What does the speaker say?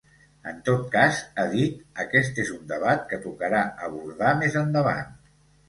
En tot cas, ha dit, aquest és un debat que tocarà abordar més endavant.